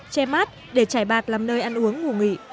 che mát để trải bạc làm nơi ăn uống ngủ nghỉ